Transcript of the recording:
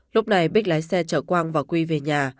lúc này bích lái xe chở quang và quy về nhà